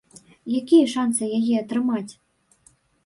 Якія шанцы яе атрымаць?